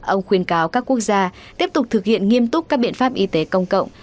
ông khuyên cáo các quốc gia tiếp tục thực hiện nghiêm túc các biện pháp y tế công cộng